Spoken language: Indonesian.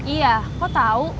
iya kok tau